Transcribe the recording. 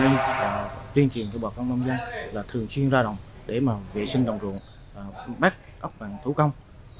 nên tuyên truyền cho bà con nông dân là thường xuyên ra đồng để vệ sinh đồng ruộng bắt ốc bằng thủ công